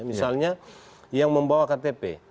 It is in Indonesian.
misalnya yang membawa ktp